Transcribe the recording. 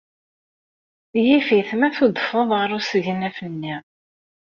Yif-it ma tudfed ɣer usegnaf-nni.